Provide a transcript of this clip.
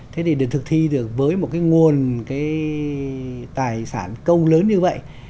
thế thì được thực thi được với một cái nguồn cái tài sản công lớn như vậy